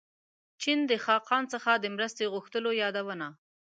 چین د خاقان څخه د مرستې غوښتلو یادونه.